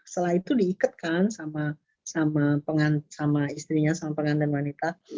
setelah itu diikatkan sama istrinya sama pengantin wanita